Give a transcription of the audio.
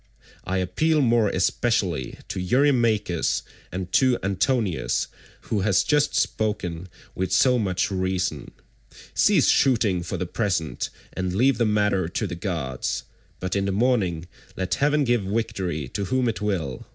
I appeal more especially to Eurymachus, and to Antinous who has just spoken with so much reason. Cease shooting for the present and leave the matter to the gods, but in the morning let heaven give victory to whom it will.